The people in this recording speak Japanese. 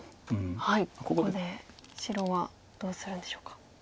ここで白はどうするんでしょうか。